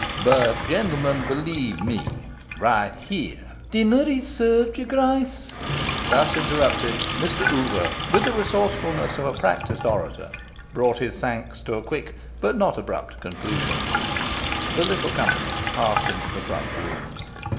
But, gentlemen, believe me, right here " "Dinner is served, your Grace." Thus interrupted, Mr. Oover, with the resourcefulness of a practised orator, brought his thanks to a quick but not abrupt conclusion. The little company passed into the front room.